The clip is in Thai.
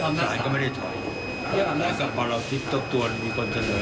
ใช่จะปรับเยอะแต่ว่าทีนี้ยังไงก็ควรให้มาเป็นลายลักอักษรจะดีกว่าใช่มั้ยคะ